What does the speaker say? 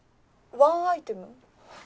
ワンアイテム？